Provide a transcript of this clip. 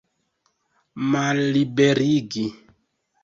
Malliberigi!